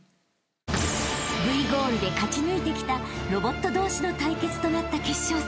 ［Ｖゴールで勝ち抜いてきたロボット同士の対決となった決勝戦］